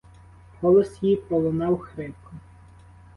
Голос її пролунав хрипко.